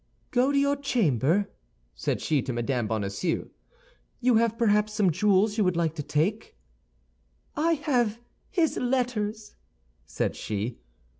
"Go to your chamber," said she to Mme. Bonacieux; "you have perhaps some jewels you would like to take." "I have his letters," said she.